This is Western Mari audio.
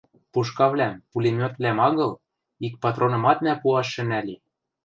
Пушкавлӓм, пулеметвлӓм агыл, ик патронымат мӓ пуаш шӹнӓ ли.